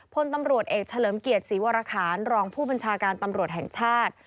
พลตำรวจเอกเฉลิมเกียรติศรีวรคารรองผู้บัญชาการตำรวจแห่งชาติ